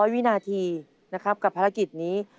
วินาทีนะครับกับภารกิจนี้